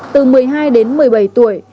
từ một mươi hai đến một mươi bảy tuổi